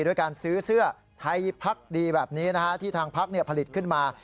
ด้วยการซื้อเสื้อไทยพักดีแบบนี้นะฮะที่ทางพักผลิตขึ้นมา